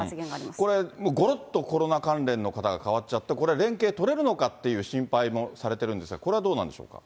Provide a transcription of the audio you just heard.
これ、もうごろっとコロナ関連の方が変わっちゃって、これは連携取れるのかっていう心配もされてるんですが、これはどうなんでしょうか？